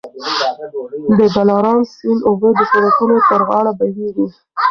د دلارام سیند اوبه د سړکونو تر غاړه بهېږي.